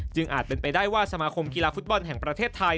อาจเป็นไปได้ว่าสมาคมกีฬาฟุตบอลแห่งประเทศไทย